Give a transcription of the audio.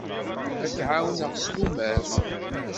Ad k-ɛawneɣ s tumert.